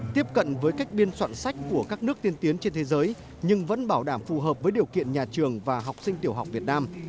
tiếp cận với cách biên soạn sách của các nước tiên tiến trên thế giới nhưng vẫn bảo đảm phù hợp với điều kiện nhà trường và học sinh tiểu học việt nam